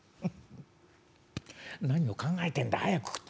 何を考えてんだ早く食って。